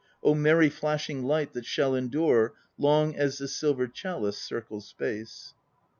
* Oh merry flashing light, that shall endure Long as the Silver Chalice 4 circles space.